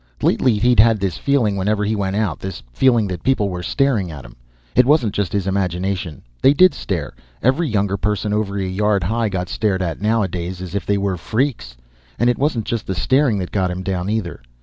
Lately he'd had this feeling whenever he went out, this feeling that people were staring at him. It wasn't just his imagination: they did stare. Every younger person over a yard high got stared at nowadays, as if they were freaks. And it wasn't just the staring that got him down, either.